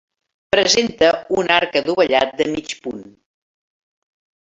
Presenta un arc adovellat de mig punt.